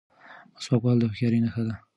مسواک وهل د هوښیارۍ نښه ده.